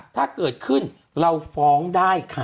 ถ้าเกิดขึ้นเราฟ้องได้ค่ะ